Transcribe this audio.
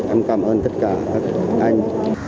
em cảm ơn tất cả các anh